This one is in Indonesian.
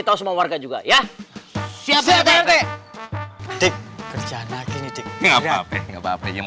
iya lo udah ngopi belum